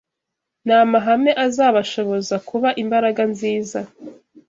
Ni amahame azabashoboza kuba imbaraga nziza